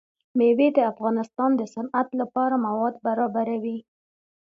مېوې د افغانستان د صنعت لپاره مواد برابروي.